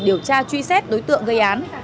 điều tra truy xét đối tượng gây án